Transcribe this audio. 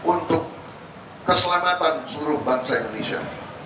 untuk keselamatan seluruh bangsa indonesia